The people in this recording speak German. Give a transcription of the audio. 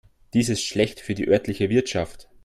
Dies ist schlecht für die örtliche Wirtschaft.